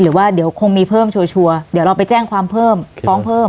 หรือว่าเดี๋ยวคงมีเพิ่มชัวร์เดี๋ยวเราไปแจ้งความเพิ่มฟ้องเพิ่ม